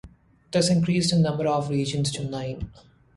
This increased the number of regions to nine.